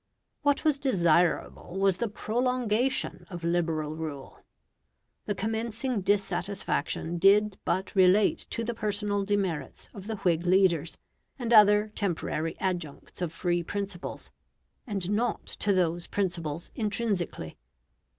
What was desirable was the prolongation of Liberal rule. The commencing dissatisfaction did but relate to the personal demerits of the Whig leaders, and other temporary adjuncts of free principles, and not to those principles intrinsically.